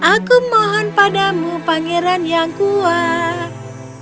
aku mohon padamu pangeran yang kuat